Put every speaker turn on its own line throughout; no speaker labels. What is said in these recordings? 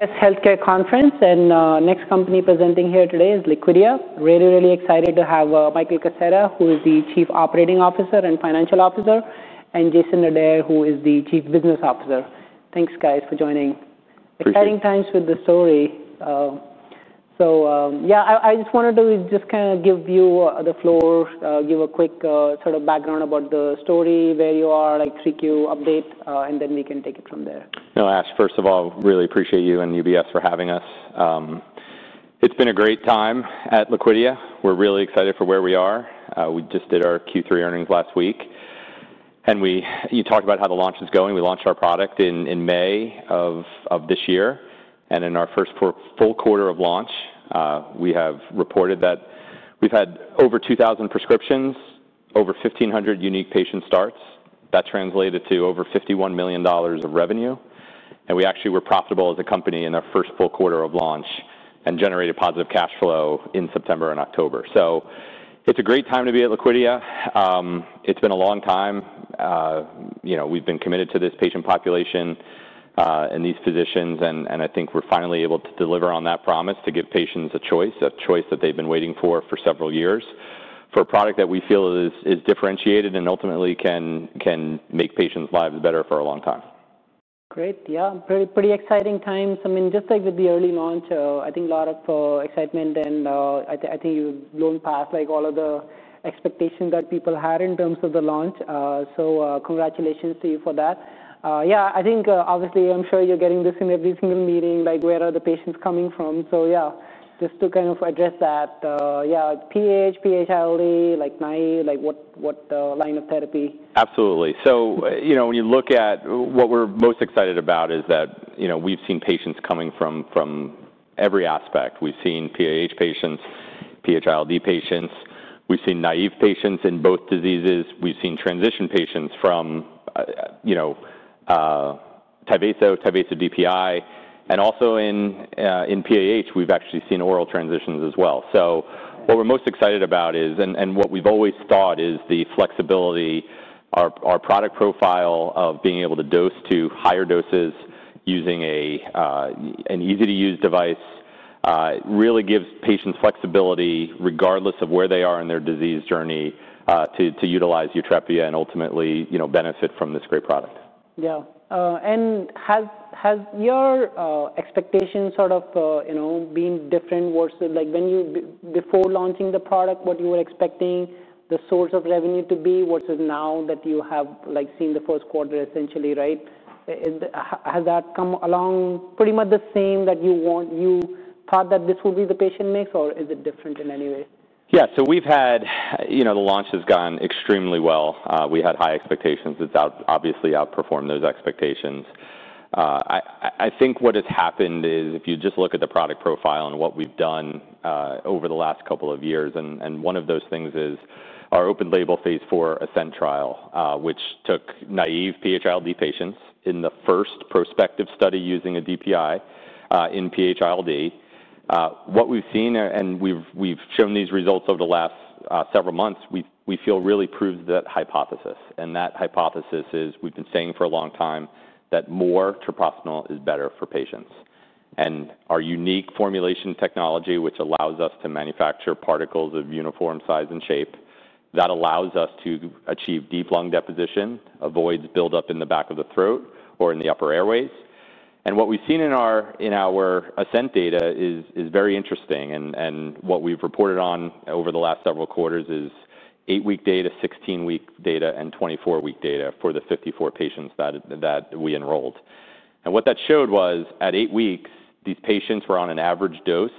This Healthcare Conference, and the next company presenting here today is Liquidia. Really, really excited to have Michael Kaseta, who is the Chief Operating Officer and Chief Financial Officer, and Jason Adair, who is the Chief Business Officer. Thanks, guys, for joining.
Appreciate it.
Exciting times with the story. Yeah, I just wanted to kind of give you the floor, give a quick sort of background about the story, where you are, like 3Q update, and then we can take it from there.
No, Ash, first of all, really appreciate you and UBS for having us. It's been a great time at Liquidia. We're really excited for where we are. We just did our Q3 earnings last week, and you talked about how the launch is going. We launched our product in May of this year, and in our first full quarter of launch, we have reported that we've had over 2,000 prescriptions, over 1,500 unique patient starts. That translated to over $51 million of revenue, and we actually were profitable as a company in our first full quarter of launch and generated positive cash flow in September and October. It is a great time to be at Liquidia. It's been a long time. We've been committed to this patient population and these physicians, and I think we're finally able to deliver on that promise to give patients a choice, a choice that they've been waiting for for several years for a product that we feel is differentiated and ultimately can make patients' lives better for a long time.
Great. Yeah, pretty exciting times. I mean, just like with the early launch, I think a lot of excitement. I think you've blown past all of the expectations that people had in terms of the launch. Congratulations to you for that. I think obviously, I'm sure you're getting this in every single meeting, like where are the patients coming from? Just to kind of address that, yeah, PH, PH-ILD, like naive, like what line of therapy?
Absolutely. When you look at what we're most excited about is that we've seen patients coming from every aspect. We've seen PH patients, PH-ILD patients. We've seen naive patients in both diseases. We've seen transition patients from Tyvaso, Tyvaso DPI, and also in PH, we've actually seen oral transitions as well. What we're most excited about is, and what we've always thought is the flexibility, our product profile of being able to dose to higher doses using an easy-to-use device really gives patients flexibility regardless of where they are in their disease journey to utilize YUTREPIA and ultimately benefit from this great product.
Yeah. Has your expectation sort of been different versus like when you before launching the product, what you were expecting the source of revenue to be versus now that you have seen the first quarter essentially, right? Has that come along pretty much the same that you thought that this would be the patient mix, or is it different in any way?
Yeah. We've had the launch has gone extremely well. We had high expectations. It's obviously outperformed those expectations. I think what has happened is if you just look at the product profile and what we've done over the last couple of years, and one of those things is our open label phase four Ascent trial, which took naive PH-ILD patients in the first prospective study using a DPI in PH-ILD. What we've seen, and we've shown these results over the last several months, we feel really proves that hypothesis, and that hypothesis is we've been saying for a long time that more treprostinil is better for patients. Our unique formulation technology, which allows us to manufacture particles of uniform size and shape, allows us to achieve deep lung deposition, avoids buildup in the back of the throat or in the upper airways. What we have seen in our Ascent data is very interesting, and what we have reported on over the last several quarters is eight-week data, 16-week data, and 24-week data for the 54 patients that we enrolled. What that showed was at eight weeks, these patients were on an average dose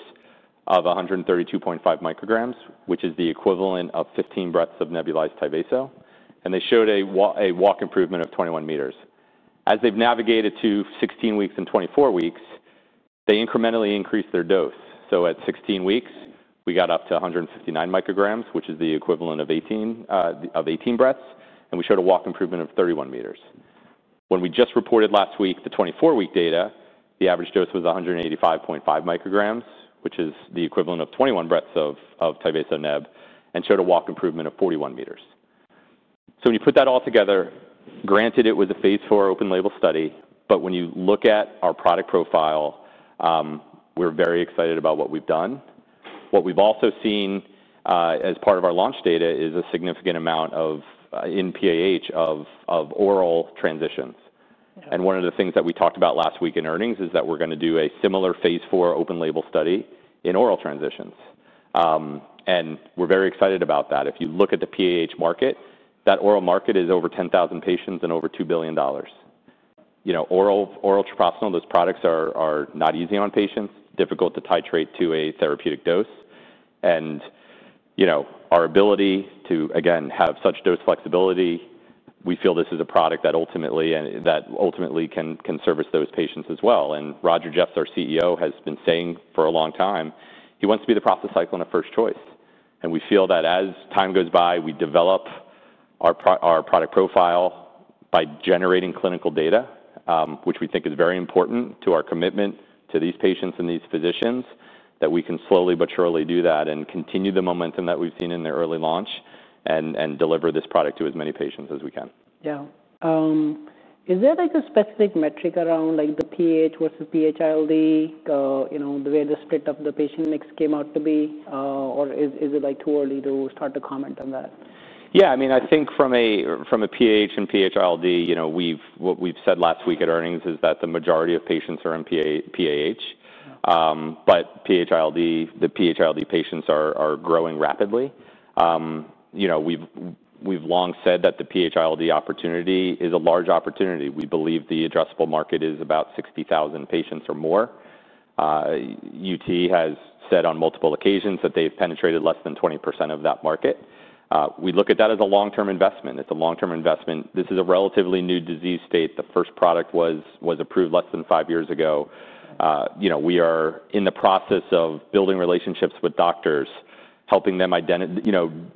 of 132.5 micrograms, which is the equivalent of 15 breaths of nebulized Tyvaso, and they showed a walk improvement of 21 meters. As they have navigated to 16 weeks and 24 weeks, they incrementally increased their dose. At 16 weeks, we got up to 159 micrograms, which is the equivalent of 18 breaths, and we showed a walk improvement of 31 meters. When we just reported last week the 24-week data, the average dose was 185.5 micrograms, which is the equivalent of 21 breaths of Tyvaso neb, and showed a walk improvement of 41 meters. When you put that all together, granted it was a phase four open label study, but when you look at our product profile, we're very excited about what we've done. What we've also seen as part of our launch data is a significant amount of in PH of oral transitions. One of the things that we talked about last week in earnings is that we're going to do a similar phase four open label study in oral transitions, and we're very excited about that. If you look at the PH market, that oral market is over 10,000 patients and over $2 billion. Oral treprostinil, those products are not easy on patients, difficult to titrate to a therapeutic dose, and our ability to, again, have such dose flexibility, we feel this is a product that ultimately can service those patients as well. Roger Jeffs, our CEO, has been saying for a long time he wants to be the prostacyclin and a first choice. We feel that as time goes by, we develop our product profile by generating clinical data, which we think is very important to our commitment to these patients and these physicians, that we can slowly but surely do that and continue the momentum that we've seen in the early launch and deliver this product to as many patients as we can.
Yeah. Is there like a specific metric around PH versus PH-ILD, the way the split of the patient mix came out to be, or is it like too early to start to comment on that?
Yeah. I mean, I think from a PH and PH-ILD, what we've said last week at earnings is that the majority of patients are in PH, but the PH-ILD patients are growing rapidly. We've long said that the PH-ILD opportunity is a large opportunity. We believe the addressable market is about 60,000 patients or more. UT has said on multiple occasions that they've penetrated less than 20% of that market. We look at that as a long-term investment. It's a long-term investment. This is a relatively new disease state. The first product was approved less than five years ago. We are in the process of building relationships with doctors, helping them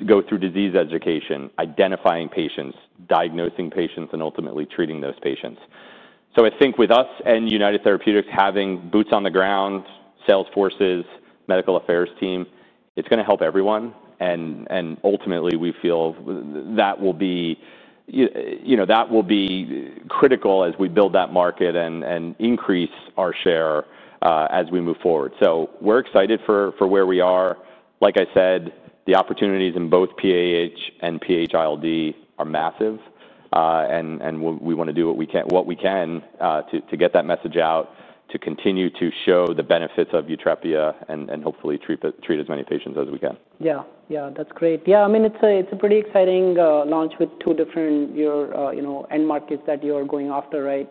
go through disease education, identifying patients, diagnosing patients, and ultimately treating those patients. I think with us and United Therapeutics having boots on the ground, sales forces, medical affairs team, it's going to help everyone, and ultimately we feel that will be critical as we build that market and increase our share as we move forward. We're excited for where we are. Like I said, the opportunities in both PH and PH-ILD are massive, and we want to do what we can to get that message out, to continue to show the benefits of YUTREPIA and hopefully treat as many patients as we can.
Yeah. Yeah, that's great. Yeah. I mean, it's a pretty exciting launch with two different end markets that you're going after, right?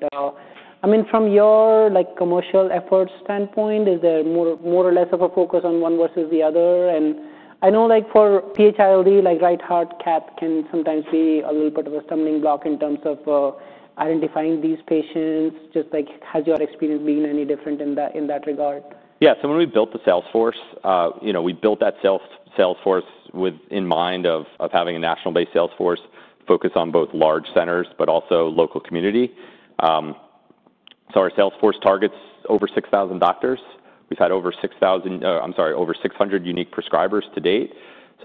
I mean, from your commercial efforts standpoint, is there more or less of a focus on one versus the other? I know for PH-ILD, like right-heart cath can sometimes be a little bit of a stumbling block in terms of identifying these patients. Just like has your experience been any different in that regard?
Yeah. When we built the sales force, we built that sales force with in mind of having a national-based sales force focused on both large centers, but also local community. Our sales force targets over 6,000 doctors. We've had over 6,000, I'm sorry, over 600 unique prescribers to date.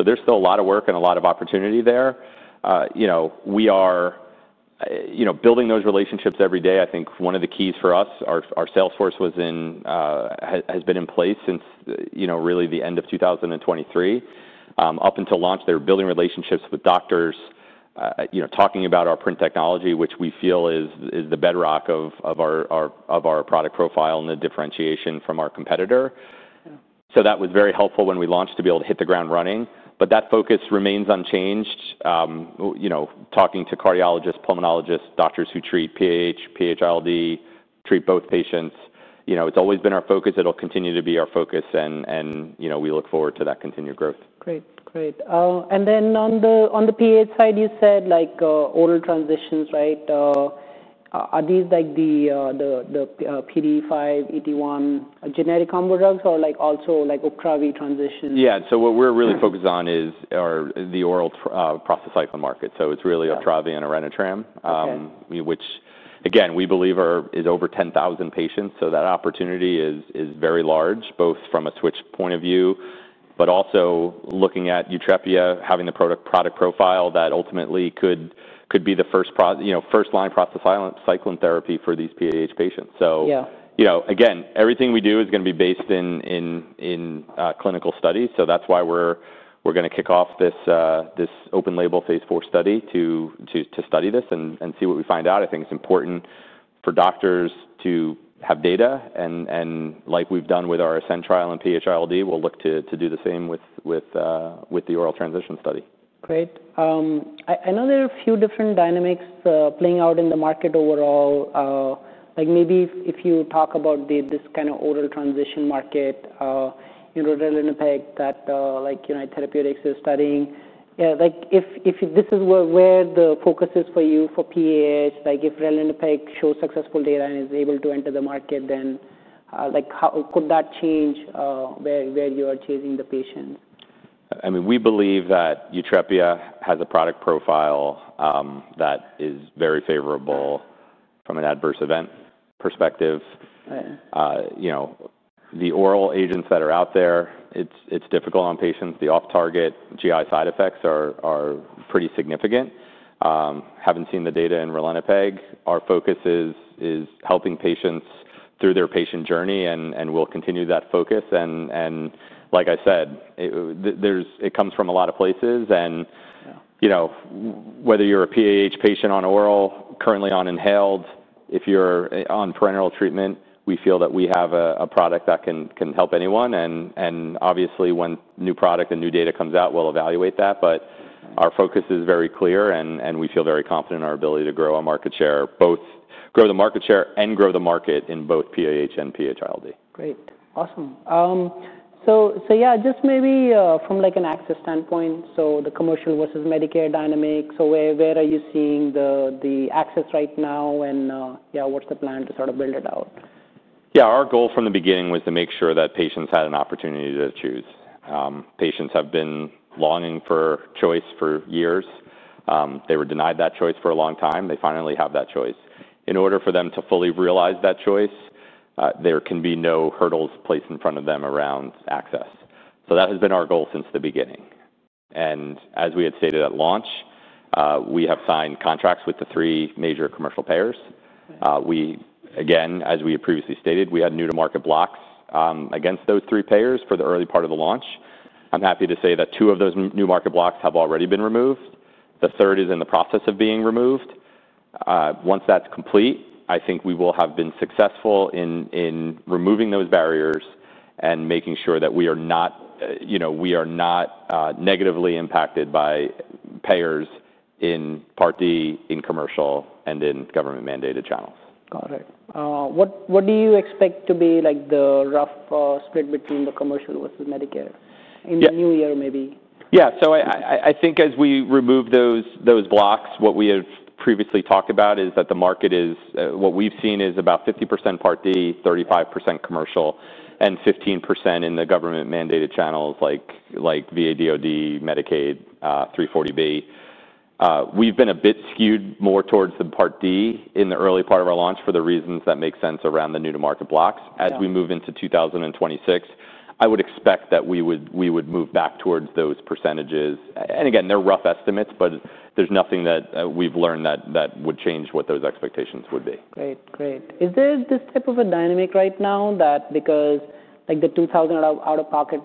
There is still a lot of work and a lot of opportunity there. We are building those relationships every day. I think one of the keys for us, our sales force has been in place since really the end of 2023. Up until launch, they were building relationships with doctors, talking about our PRINT technology, which we feel is the bedrock of our product profile and the differentiation from our competitor. That was very helpful when we launched to be able to hit the ground running, but that focus remains unchanged. Talking to cardiologists, pulmonologists, doctors who treat PH, PH-ILD, treat both patients, it's always been our focus. It'll continue to be our focus, and we look forward to that continued growth.
Great. Great. And then on the PH side, you said like oral transitions, right? Are these like the PDE5, 81, generic combo drugs, or also like Opsumit transitions?
Yeah. So what we're really focused on is the oral prostacyclin market. So it's really Orenitram and Opsumit, which again, we believe is over 10,000 patients. So that opportunity is very large, both from a switch point of view, but also looking at YUTREPIA, having the product profile that ultimately could be the first line prostacyclin therapy for these PH patients. Again, everything we do is going to be based in clinical studies. That's why we're going to kick off this open label phase four study to study this and see what we find out. I think it's important for doctors to have data, and like we've done with our Ascent trial and PH-ILD, we'll look to do the same with the oral transition study.
Great. I know there are a few different dynamics playing out in the market overall. Maybe if you talk about this kind of oral transition market, relative to that, like United Therapeutics is studying. Yeah, if this is where the focus is for you for PH, like if Relentec shows successful data and is able to enter the market, then how could that change where you are chasing the patients?
I mean, we believe that YUTREPIA has a product profile that is very favorable from an adverse event perspective. The oral agents that are out there, it's difficult on patients. The off-target GI side effects are pretty significant. Having seen the data in Relentec, our focus is helping patients through their patient journey, and we'll continue that focus. Like I said, it comes from a lot of places, and whether you're a PH patient on oral, currently on inhaled, if you're on parenteral treatment, we feel that we have a product that can help anyone. Obviously, when new product and new data comes out, we'll evaluate that, but our focus is very clear, and we feel very confident in our ability to grow a market share, both grow the market share and grow the market in both PH and PH-ILD.
Great. Awesome. Yeah, just maybe from like an access standpoint, the commercial versus Medicare dynamic, where are you seeing the access right now, and yeah, what's the plan to sort of build it out?
Yeah. Our goal from the beginning was to make sure that patients had an opportunity to choose. Patients have been longing for choice for years. They were denied that choice for a long time. They finally have that choice. In order for them to fully realize that choice, there can be no hurdles placed in front of them around access. That has been our goal since the beginning. As we had stated at launch, we have signed contracts with the three major commercial payers. Again, as we had previously stated, we had new-to-market blocks against those three payers for the early part of the launch. I'm happy to say that two of those new-to-market blocks have already been removed. The third is in the process of being removed. Once that's complete, I think we will have been successful in removing those barriers and making sure that we are not negatively impacted by payers in Part D, in commercial, and in government-mandated channels.
Got it. What do you expect to be like the rough split between the commercial versus Medicare in the new year maybe?
Yeah. I think as we remove those blocks, what we have previously talked about is that the market is what we've seen is about 50% Part D, 35% commercial, and 15% in the government-mandated channels like VA, DoD, Medicaid, 340B. We've been a bit skewed more towards the Part D in the early part of our launch for the reasons that make sense around the new-to-market blocks. As we move into 2026, I would expect that we would move back towards those percentages. Again, they're rough estimates, but there's nothing that we've learned that would change what those expectations would be.
Great. Great. Is there this type of a dynamic right now that because like the $2,000 out-of-pocket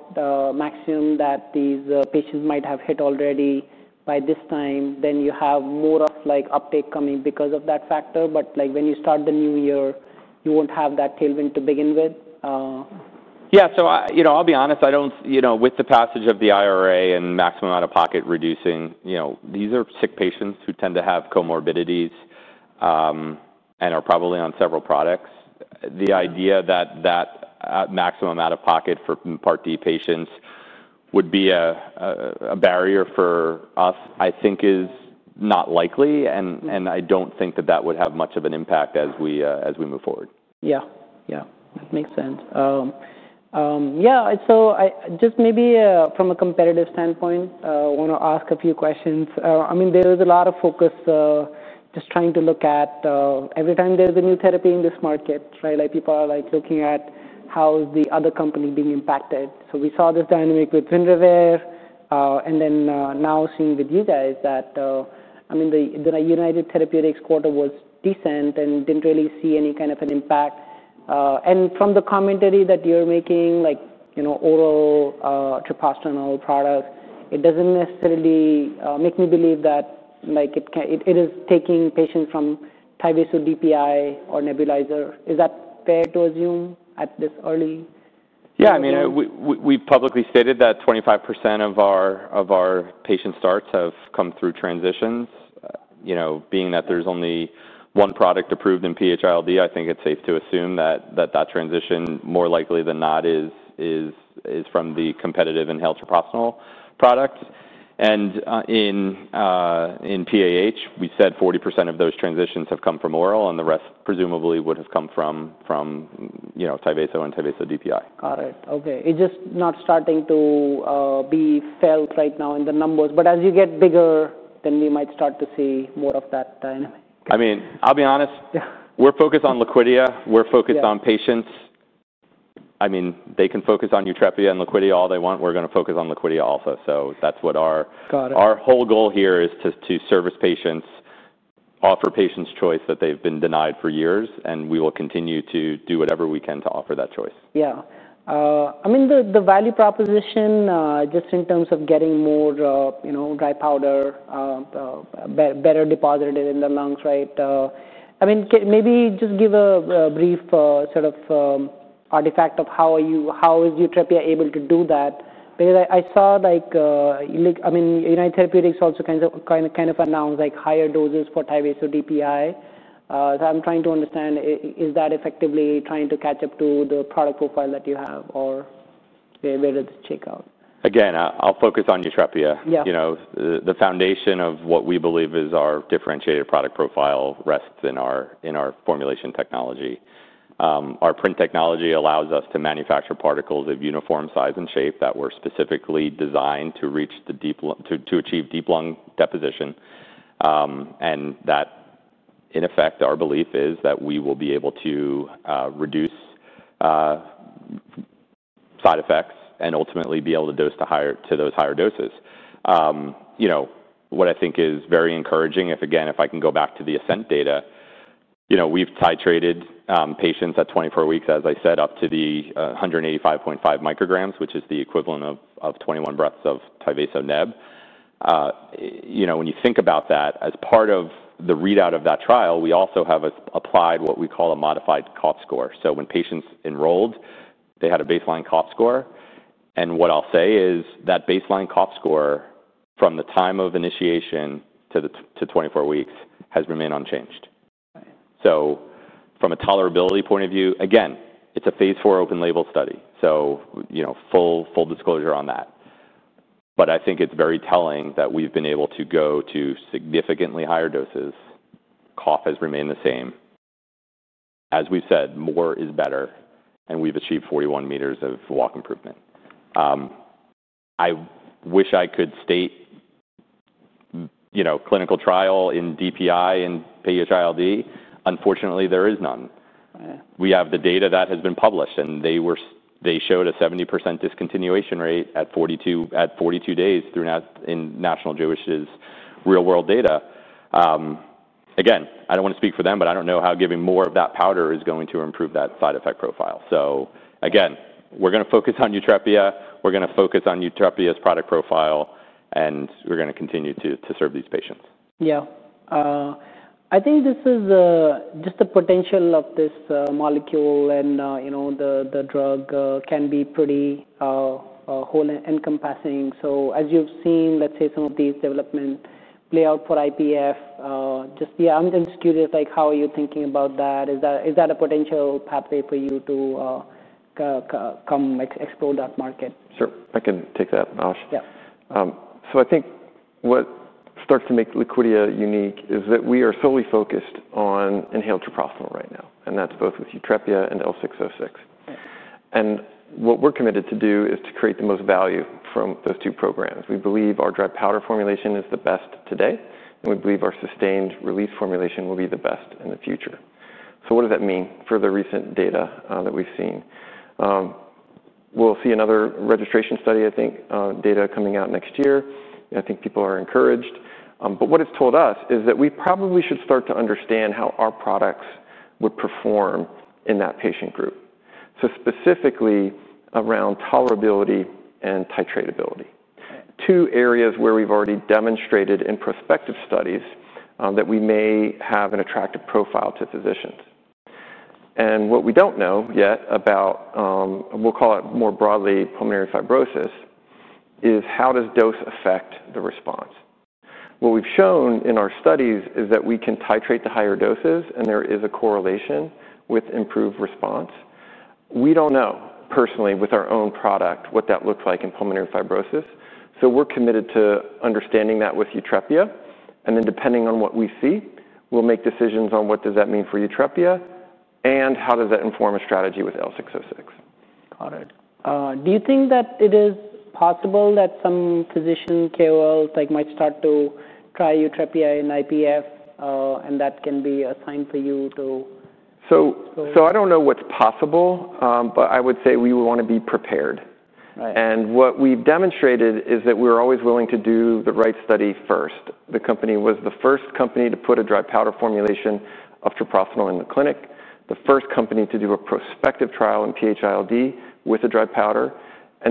maximum that these patients might have hit already by this time, then you have more of like uptake coming because of that factor, but like when you start the new year, you won't have that tailwind to begin with?
Yeah. I'll be honest, with the passage of the IRA and maximum out-of-pocket reducing, these are sick patients who tend to have comorbidities and are probably on several products. The idea that that maximum out-of-pocket for Part D patients would be a barrier for us, I think is not likely, and I don't think that that would have much of an impact as we move forward.
Yeah. Yeah. That makes sense. Yeah. Just maybe from a competitive standpoint, I want to ask a few questions. I mean, there was a lot of focus just trying to look at every time there's a new therapy in this market, right? Like people are looking at how is the other company being impacted. We saw this dynamic with VinRevere, and then now seeing with you guys that, I mean, the United Therapeutics quarter was decent and didn't really see any kind of an impact. From the commentary that you're making, like oral treprostinil products, it doesn't necessarily make me believe that it is taking patients from Tyvaso DPI or Nebulizer. Is that fair to assume at this early?
Yeah. I mean, we've publicly stated that 25% of our patient starts have come through transitions. Being that there's only one product approved in PH-ILD, I think it's safe to assume that that transition, more likely than not, is from the competitive inhaled treprostinil products. In PH, we said 40% of those transitions have come from oral, and the rest presumably would have come from Tyvaso and Tyvaso DPI.
Got it. Okay. It's just not starting to be felt right now in the numbers, but as you get bigger, then we might start to see more of that dynamic.
I mean, I'll be honest, we're focused on Liquidia. We're focused on patients. I mean, they can focus on YUTREPIA and Liquidia all they want. We're going to focus on Liquidia also. That's what our whole goal here is, to service patients, offer patients choice that they've been denied for years, and we will continue to do whatever we can to offer that choice.
Yeah. I mean, the value proposition just in terms of getting more dry powder, better deposited in the lungs, right? I mean, maybe just give a brief sort of artifact of how is YUTREPIA able to do that? Because I saw like, I mean, United Therapeutics also kind of announced like higher doses for Tyvaso DPI. I am trying to understand, is that effectively trying to catch up to the product profile that you have, or where does it shake out?
Again, I'll focus on YUTREPIA. The foundation of what we believe is our differentiated product profile rests in our formulation technology. Our PRINT technology allows us to manufacture particles of uniform size and shape that were specifically designed to achieve deep lung deposition. In effect, our belief is that we will be able to reduce side effects and ultimately be able to dose to those higher doses. What I think is very encouraging, if again, if I can go back to the Ascent data, we've titrated patients at 24 weeks, as I said, up to the 185.5 micrograms, which is the equivalent of 21 breaths of Tyvaso neb. When you think about that, as part of the readout of that trial, we also have applied what we call a modified COP score. When patients enrolled, they had a baseline COP score. What I'll say is that baseline COP score from the time of initiation to 24 weeks has remained unchanged. From a tolerability point of view, again, it's a phase four open-label study. Full disclosure on that. I think it's very telling that we've been able to go to significantly higher doses. COP has remained the same. As we've said, more is better, and we've achieved 41 meters of walk improvement. I wish I could state clinical trial in DPI and PH-ILD. Unfortunately, there is none. We have the data that has been published, and they showed a 70% discontinuation rate at 42 days in National Jewish real-world data. I don't want to speak for them, but I don't know how giving more of that powder is going to improve that side effect profile. Again, we're going to focus on YUTREPIA. We're going to focus on YUTREPIA's product profile, and we're going to continue to serve these patients.
Yeah. I think this is just the potential of this molecule, and the drug can be pretty whole encompassing. As you've seen, let's say some of these developments play out for IPF, just, yeah, I'm just curious, like, how are you thinking about that? Is that a potential pathway for you to come explore that market?
Sure. I can take that, Ash. I think what starts to make Liquidia unique is that we are solely focused on inhaled treprostinil right now, and that's both with YUTREPIA and L606. What we're committed to do is to create the most value from those two programs. We believe our dry powder formulation is the best today, and we believe our sustained release formulation will be the best in the future. What does that mean for the recent data that we've seen? We'll see another registration study, I think, data coming out next year. I think people are encouraged. What it's told us is that we probably should start to understand how our products would perform in that patient group. Specifically around tolerability and titratability, two areas where we've already demonstrated in prospective studies that we may have an attractive profile to physicians. What we do not know yet about, we will call it more broadly pulmonary fibrosis, is how does dose affect the response? What we have shown in our studies is that we can titrate to higher doses, and there is a correlation with improved response. We do not know personally with our own product what that looks like in pulmonary fibrosis. We are committed to understanding that with YUTREPIA. Depending on what we see, we will make decisions on what that means for YUTREPIA and how that informs a strategy with L606.
Got it. Do you think that it is possible that some physician KOLs might start to try YUTREPIA in IPF, and that can be a sign for you to?
I don't know what's possible, but I would say we would want to be prepared. What we've demonstrated is that we're always willing to do the right study first. The company was the first company to put a dry powder formulation of treprostinil in the clinic, the first company to do a prospective trial in PH-ILD with a dry powder.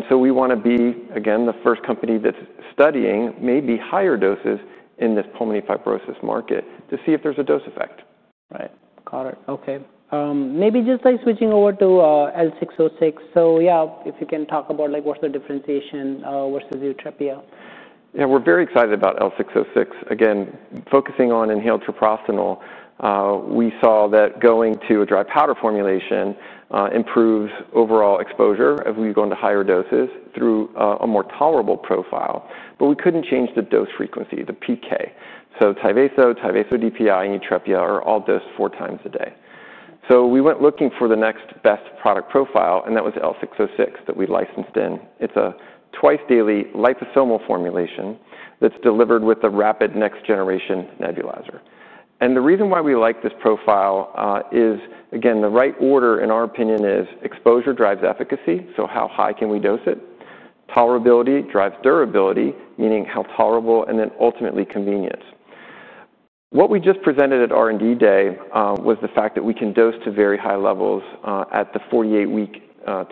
We want to be, again, the first company that's studying maybe higher doses in this pulmonary fibrosis market to see if there's a dose effect.
Right. Got it. Okay. Maybe just like switching over to L606. So yeah, if you can talk about like what's the differentiation versus YUTREPIA.
Yeah. We're very excited about L606. Again, focusing on inhaled treprostinil, we saw that going to a dry powder formulation improves overall exposure if we go into higher doses through a more tolerable profile. We couldn't change the dose frequency, the PK. Tyvaso, Tyvaso DPI, and YUTREPIA are all dosed four times a day. We went looking for the next best product profile, and that was L606 that we licensed in. It's a twice-daily liposomal formulation that's delivered with a rapid next-generation nebulizer. The reason why we like this profile is, again, the right order in our opinion is exposure drives efficacy. How high can we dose it? Tolerability drives durability, meaning how tolerable and then ultimately convenience. What we just presented at R&D Day was the fact that we can dose to very high levels at the 48-week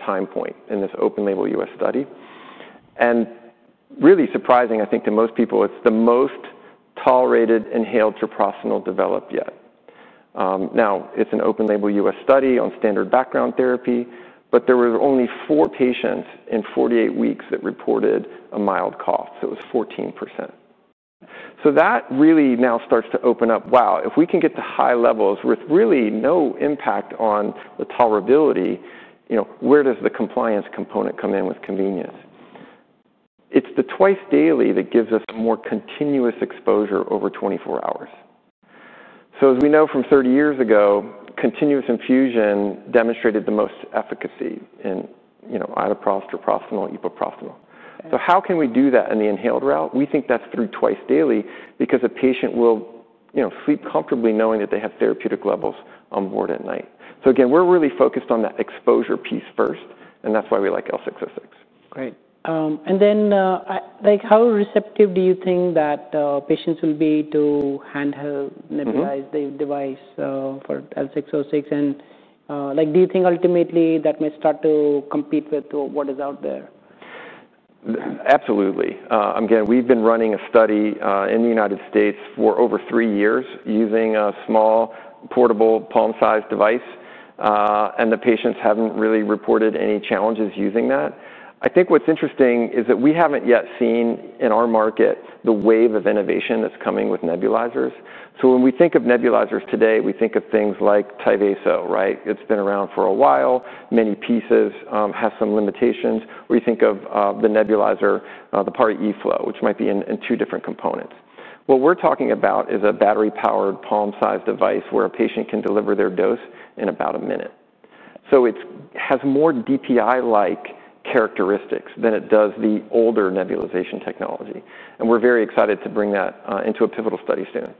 time point in this open-label U.S. study. Really surprising, I think, to most people, it's the most tolerated inhaled treprostinil developed yet. Now, it's an open-label U.S. study on standard background therapy, but there were only four patients in 48 weeks that reported a mild cough. It was 14%. That really now starts to open up, wow, if we can get to high levels with really no impact on the tolerability, where does the compliance component come in with convenience? It's the twice daily that gives us more continuous exposure over 24 hours. As we know from 30 years ago, continuous infusion demonstrated the most efficacy in iloprost, treprostinil, and epoprostenol. How can we do that in the inhaled route? We think that's through twice daily because a patient will sleep comfortably knowing that they have therapeutic levels on board at night. Again, we're really focused on that exposure piece first, and that's why we like L606.
Great. And then like how receptive do you think that patients will be to handheld nebulized device for L606? And like do you think ultimately that may start to compete with what is out there?
Absolutely. Again, we've been running a study in the United States for over three years using a small, portable, palm-sized device, and the patients haven't really reported any challenges using that. I think what's interesting is that we haven't yet seen in our market the wave of innovation that's coming with nebulizers. When we think of nebulizers today, we think of things like Tyvaso, right? It's been around for a while. Many pieces have some limitations. Or you think of the nebulizer, the part eFlow, which might be in two different components. What we're talking about is a battery-powered palm-sized device where a patient can deliver their dose in about a minute. It has more DPI-like characteristics than it does the older nebulization technology. We are very excited to bring that into a pivotal study soon.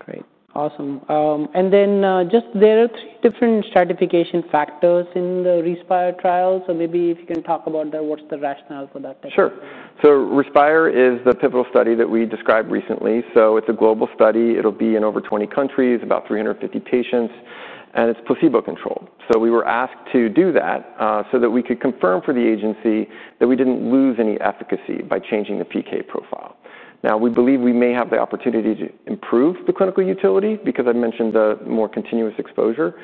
Great. Awesome. There are three different stratification factors in the Respire trial. Maybe if you can talk about that, what's the rationale for that?
Sure. Respire is the pivotal study that we described recently. It is a global study. It will be in over 20 countries, about 350 patients, and it is placebo-controlled. We were asked to do that so that we could confirm for the agency that we did not lose any efficacy by changing the PK profile. We believe we may have the opportunity to improve the clinical utility because I mentioned the more continuous exposure.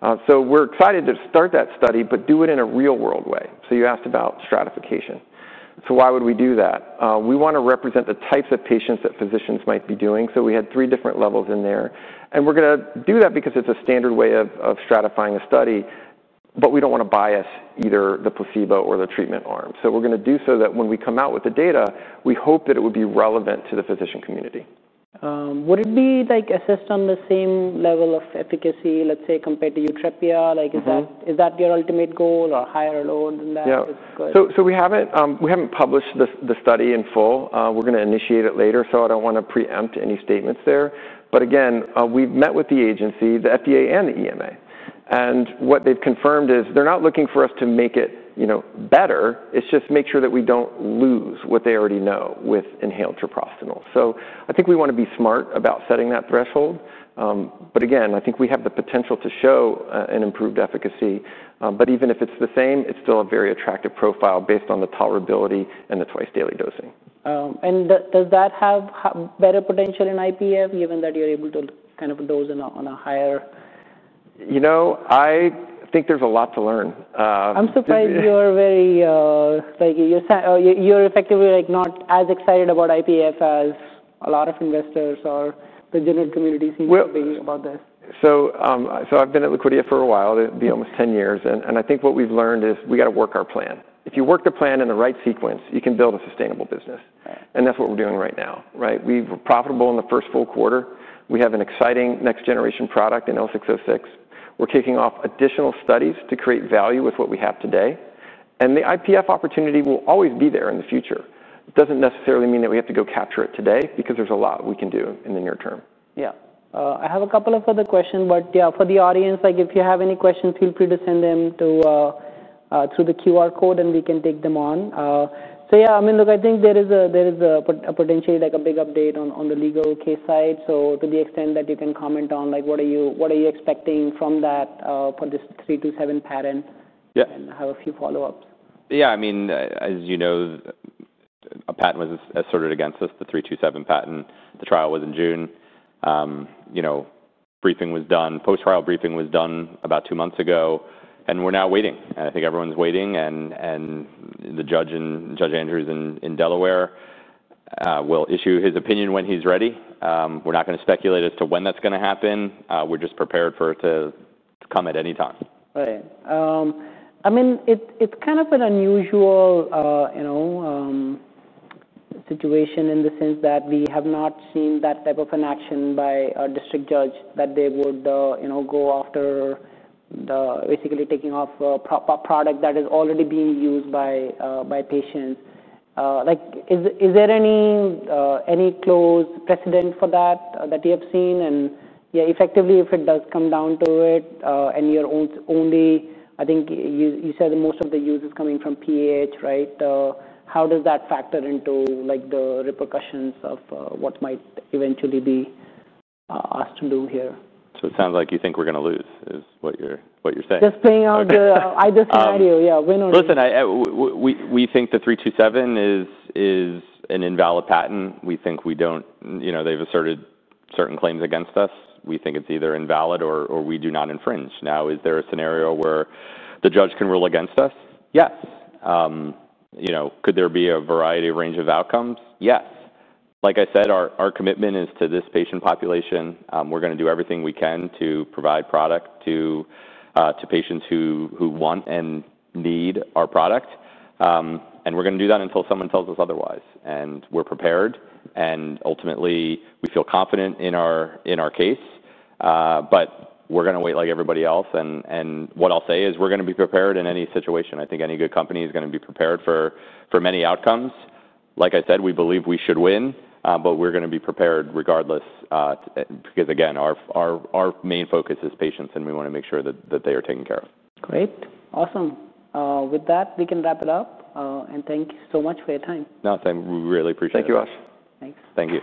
We are excited to start that study, but do it in a real-world way. You asked about stratification. Why would we do that? We want to represent the types of patients that physicians might be doing. We had three different levels in there. We are going to do that because it is a standard way of stratifying a study, but we do not want to bias either the placebo or the treatment arm. We're going to do so that when we come out with the data, we hope that it would be relevant to the physician community.
Would it be like a system on the same level of efficacy, let's say, compared to YUTREPIA? Is that your ultimate goal or higher or lower than that? Yeah. We have not published the study in full. We are going to initiate it later, so I do not want to preempt any statements there. Again, we have met with the agency, the FDA and the EMA. What they have confirmed is they are not looking for us to make it better. It is just make sure that we do not lose what they already know with inhaled treprostinil. I think we want to be smart about setting that threshold. Again, I think we have the potential to show an improved efficacy. Even if it is the same, it is still a very attractive profile based on the tolerability and the twice-daily dosing. Does that have better potential in IPF given that you're able to kind of dose on a higher?
You know, I think there's a lot to learn.
I'm surprised you're very like you're effectively like not as excited about IPF as a lot of investors or the general community seems to be about this.
I've been at Liquidia for a while, almost 10 years. I think what we've learned is we got to work our plan. If you work the plan in the right sequence, you can build a sustainable business. That's what we're doing right now, right? We were profitable in the first full quarter. We have an exciting next-generation product in L606. We're kicking off additional studies to create value with what we have today. The IPF opportunity will always be there in the future. It doesn't necessarily mean that we have to go capture it today because there's a lot we can do in the near term.
Yeah. I have a couple of other questions, but yeah, for the audience, like if you have any questions, feel free to send them through the QR code and we can take them on. Yeah, I mean, look, I think there is a potentially like a big update on the legal case side. To the extent that you can comment on, like, what are you expecting from that for this 327 patent and I have a few follow-ups.
Yeah. I mean, as you know, a patent was asserted against us, the 327 patent. The trial was in June. Briefing was done. Post-trial briefing was done about two months ago. We are now waiting. I think everyone's waiting. Judge Andrews in Delaware will issue his opinion when he's ready. We're not going to speculate as to when that's going to happen. We're just prepared for it to come at any time.
Right. I mean, it's kind of an unusual situation in the sense that we have not seen that type of an action by a district judge that they would go after basically taking off a product that is already being used by patients. Is there any close precedent for that that you have seen? Yeah, effectively, if it does come down to it and you're only, I think you said most of the use is coming from PH, right? How does that factor into the repercussions of what might eventually be asked to do here?
It sounds like you think we're going to lose is what you're saying.
Just playing out either scenario, yeah, win or lose.
Listen. We think the 327 is an invalid patent. We think we don't, you know, they've asserted certain claims against us. We think it's either invalid or we do not infringe. Now, is there a scenario where the judge can rule against us? Yes. You know, could there be a variety of range of outcomes? Yes. Like I said, our commitment is to this patient population. We're going to do everything we can to provide product to patients who want and need our product. We're going to do that until someone tells us otherwise. We're prepared. Ultimately, we feel confident in our case. We're going to wait like everybody else. What I'll say is we're going to be prepared in any situation. I think any good company is going to be prepared for many outcomes. Like I said, we believe we should win, but we're going to be prepared regardless because again, our main focus is patients and we want to make sure that they are taken care of.
Great. Awesome. With that, we can wrap it up. Thank you so much for your time.
No, Sam, we really appreciate it.
Thank you, Ash.
Thanks. Thank you.